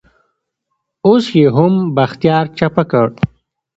اوس يې هم بختيار چپه کړ.